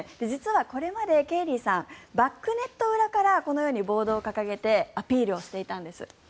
実はこれまでケイリーさんバックネット裏からこのようにボードを掲げてアピールをしていたんです。